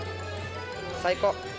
最高。